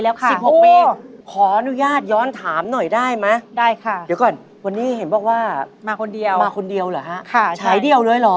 และที่สำคัญอาการของลูกเราบาดเจ็บสาหัสเลยอ่ะมวล